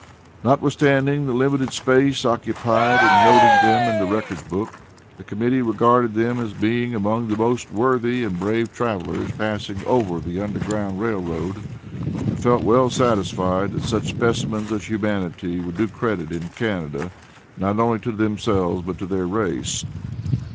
Notwithstanding the limited space occupied in noting them on the record book, the Committee regarded them as being among the most worthy and brave travelers passing over the Underground Rail Road, and felt well satisfied that such specimens of humanity would do credit in Canada, not only to themselves, but to their race.